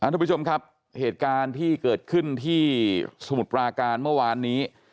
ทุกผู้ชมครับเหตุการณ์ที่เกิดขึ้นที่สมุทรปราการเมื่อวานนี้